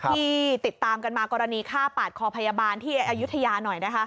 ที่ติดตามกันมากรณีฆ่าปาดคอพยาบาลที่อายุทยาหน่อยนะคะ